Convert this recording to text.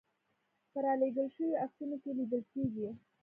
په رالېږل شویو عکسونو کې لیدل کېږي.